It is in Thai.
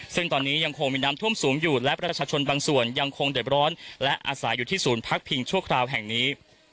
ซึ่งตอนนี้ยังคงมีน้ำท่วมสูงอยู่และประชาชนบางส่วนยังคงเด็ดร้อนและอาศัยอยู่ที่ศูนย์พักพิงชั่วคราวแห่งนี้